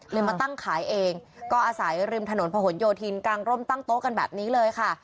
มาตั้งขายเองก็อาศัยริมถนนพะหนโยธินกางร่มตั้งโต๊ะกันแบบนี้เลยค่ะ